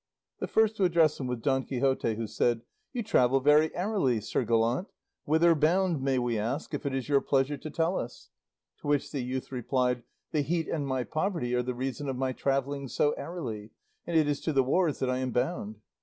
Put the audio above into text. The first to address him was Don Quixote, who said, "You travel very airily, sir gallant; whither bound, may we ask, if it is your pleasure to tell us?" To which the youth replied, "The heat and my poverty are the reason of my travelling so airily, and it is to the wars that I am bound."